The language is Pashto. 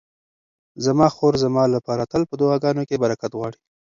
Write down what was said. زما خور زما لپاره تل په دعاګانو کې برکت غواړي.